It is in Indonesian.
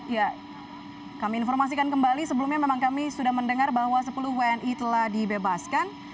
ya kami informasikan kembali sebelumnya memang kami sudah mendengar bahwa sepuluh wni telah dibebaskan